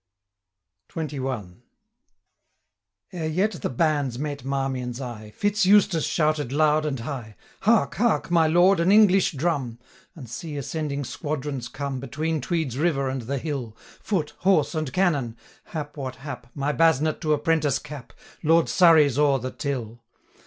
620 XXI. Ere yet the bands met Marmion's eye, Fitz Eustace shouted loud and high, 'Hark! hark! my lord, an English drum! And see ascending squadrons come Between Tweed's river and the hill, 625 Foot, horse, and cannon: hap what hap, My basnet to a prentice cap, Lord Surrey's o'er the Till!